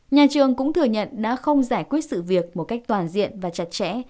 nhà trường cũng thừa nhận đã không giải quyết sự việc một cách toàn diện và chặt chẽ